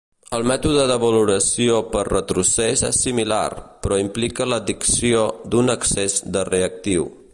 El mètode de valoració per retrocés és similar, però implica l'addició d'un excés de reactiu.